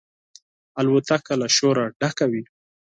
الوتکه له شوره ډکه وي.